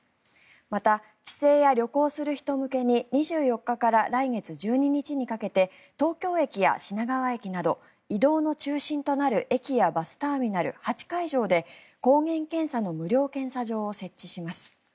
また、帰省や旅行する人向けに２４日から来月１２日にかけて東京駅や品川駅など移動の中心となる駅やバスターミナル８会場で抗原検査の無料検査場を設置します。